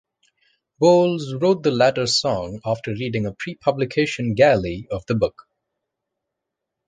Bowles wrote the latter song after reading a pre-publication galley of the book.